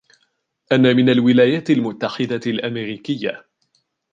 أنا من الولايات المتحدة الأمريكية.